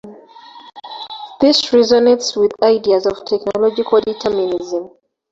This resonates with ideas of technological determinism.